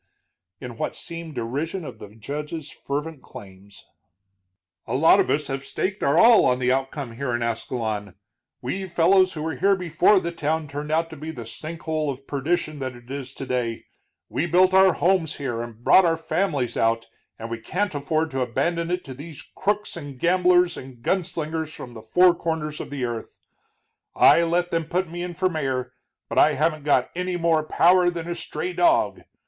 in what seemed derision of the judge's fervent claims. "A lot of us have staked our all on the outcome here in Ascalon, we fellows who were here before the town turned out to be the sink hole of perdition that it is today. We built our homes here, and brought our families out, and we can't afford to abandon it to these crooks and gamblers and gun slingers from the four corners of the earth. I let them put me in for mayor, but I haven't got any more power than a stray dog.